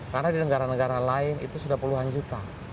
karena di negara negara lain itu sudah puluhan juta